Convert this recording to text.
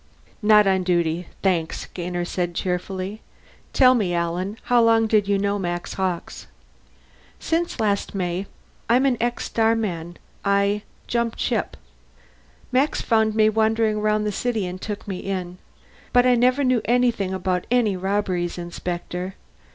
"Not on duty, thanks," Gainer said cheerfully. "Tell me, Alan how long did you know Max Hawkes?" "Since last May. I'm an ex starman. I jumped ship. Max found me wandering around the city and took me in. But I never knew anything about any robberies, Inspector.